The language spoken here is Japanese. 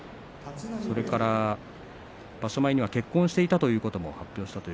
それから場所前には結婚していたということも発表しました。